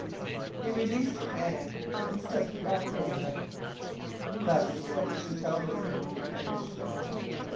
He released her hand, and stepped back from her. "That is why you should tell me," he finished.